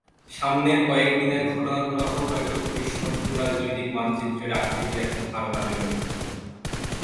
সামনের কয়েক দিনের ঘটনাপ্রবাহ হয়তো ভবিষ্যৎ ভূরাজনৈতিক মানচিত্রের আকৃতির একটা ধারণা দেবে।